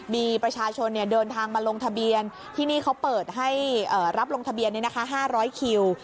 มีประชาชนเดินทางมาลงทะเบียนที่นี่เขาเปิดให้รับลงทะเบียน๕๐๐คิว